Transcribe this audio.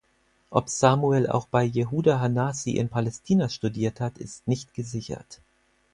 Ob Samuel auch bei Jehuda ha-Nasi in Palästina studiert hat, ist nicht gesichert.